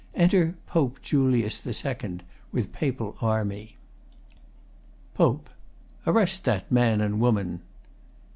Enter POPE JULIUS II, with Papal army.] POPE Arrest that man and woman!